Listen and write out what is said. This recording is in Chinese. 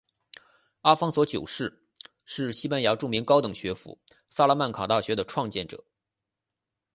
阿方索九世是西班牙著名高等学府萨拉曼卡大学的创建者。